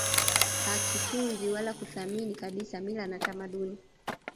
hakitunzi wala kuthamini kabisa mila na tamaduni